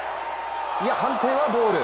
いや、判定はボール。